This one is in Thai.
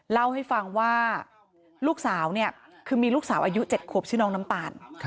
เล่าให้ฟังว่าลูกสาวเนี่ยคือมีลูกสาวอายุ๗ขวบชื่อน้องน้ำตาล